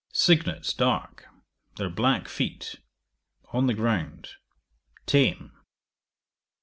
Cygnets dark; their black feet; on the ground; tame.